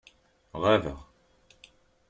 Ɣabeɣ.